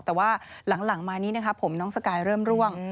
แต่ว่าหลังมานี้นะครับผมน้องสกายเริ่มร่วง